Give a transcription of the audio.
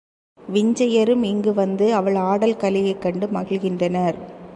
விஞ்சையரும் இங்கு வந்து அவள் ஆடல் கலையைக் கண்டு மகிழ்கின்றனர்.